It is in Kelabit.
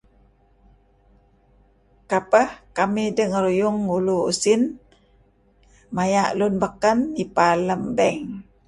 Kapeh kamih dengeruyung ngulu usin, maya' lun beken nipa lem bank.